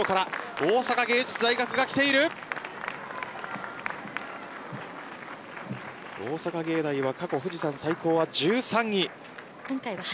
大阪芸大は、過去富士山最高は１３位。